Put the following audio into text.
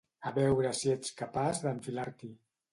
A veure si ets capaç d'enfilar-t'hi.